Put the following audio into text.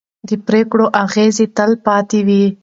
د پرېکړو اغېز تل پاتې وي